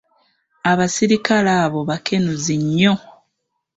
Abasirikale abo bakenuzi nnyo.